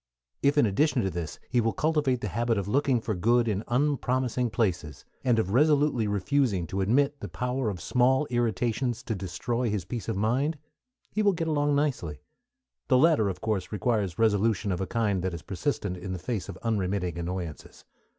If in addition to this he will cultivate the habit of looking for good in unpromising places, and of resolutely refusing to admit the power of small irritations to destroy his peace of mind, he will get along nicely. The latter of course requires resolution of a kind that is persistent in the face of unremitting annoyances.